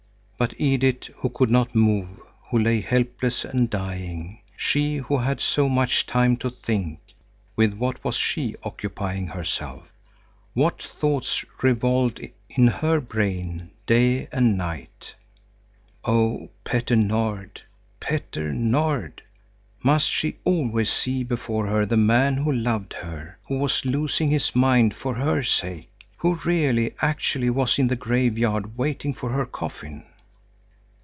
But Edith, who could not move, who lay helpless and dying, she who had so much time to think, with what was she occupying herself? What thoughts revolved in her brain day and night? Oh, Petter Nord, Petter Nord! Must she always see before her the man who loved her, who was losing his mind for her sake, who really, actually was in the graveyard waiting for her coffin.